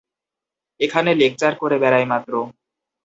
এখানে লেকচার করে বেড়াই মাত্র।